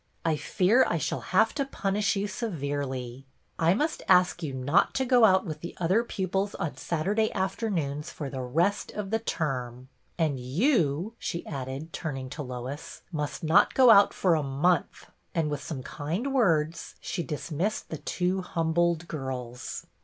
I fear I shall have to punish you severely. I must ask you not to go out with the other pupils on Saturday afternoons for the rest of the term. And you," she added, turning to Lois, "must not go out for a month;" and with some kind words she dismissed the two humbled girls.